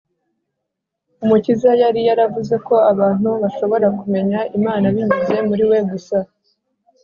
umukiza yari yaravuze ko abantu bashobora kumenya imana binyuze muri we gusa